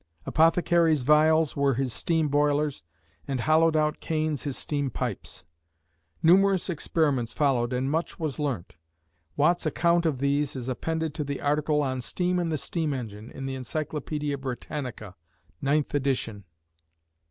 Apothecaries' vials were his steam boilers, and hollowed out canes his steam pipes. Numerous experiments followed and much was learnt. Watt's account of these is appended to the article on "Steam and the Steam Engine" in the "Encyclopædia Britannica," ninth edition.